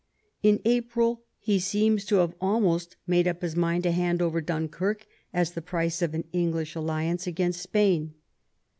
In April he seems to have almost made up his mind to hand over Dunkirk as the price of an English alliance against Spain.